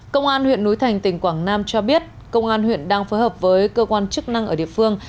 công an huyện núi thành tỉnh quảng nam cho biết công an huyện đang phối hợp với cơ quan chức năng ở địa phương